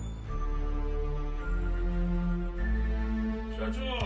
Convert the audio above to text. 社長？